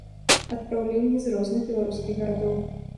Адпраўленне з розных беларускіх гарадоў.